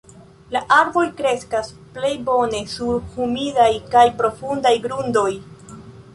La arboj kreskas plej bone sur humidaj kaj profundaj grundoj.